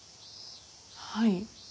はい。